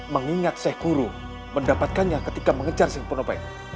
mengingat syekh kuru mendapatkannya ketika mengejar si penopeng